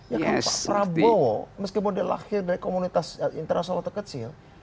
ya kalau pak prabowo meskipun dia lahir dari komunitas internasional terkecil